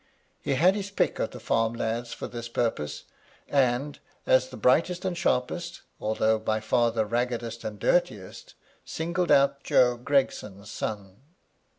He had his pick of the farm lads for this purpose; and, as the brightest and sharpest, although by far the raggedest and dirtiest, singled out Job Gregson's son.